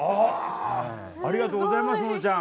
ありがとうございますののちゃん。